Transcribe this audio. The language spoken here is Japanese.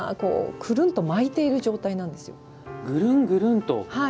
くるんと巻いている状態なんです。